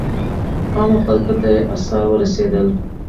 عامو خلکو ته یې آثار ورسېدل.